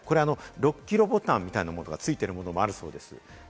６キロボタンみたいなものがついてるものもあるそうです。